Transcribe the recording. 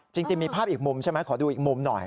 จริงมีภาพอีกมุมใช่ไหมขอดูอีกมุมหน่อย